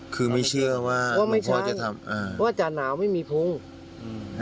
คือไม่เชื่อว่าน้องพ่อจะทำว่าไม่ใช่ว่าอาจารย์น้าวไม่มีภูมิ